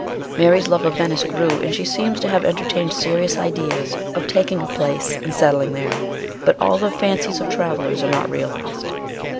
Mary's love of Venice grew, and she seems to have entertained serious ideas of taking a palace and settling there ; but all the fancies of travellers are not realised.